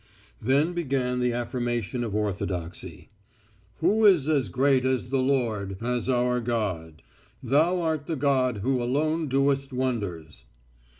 Then began the affirmation of Orthodoxy. "Who is as great as the Lord, as our God? Thou art the God who alone doest wonders."